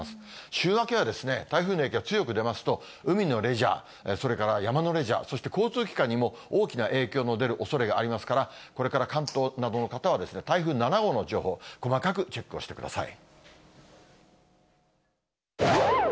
週明けは台風の影響、強く出ますと、海のレジャー、それから山のレジャー、そして交通機関にも、大きな影響の出るおそれがありますから、これから関東などの方は、台風７号の情報、細かくチェックをしてください。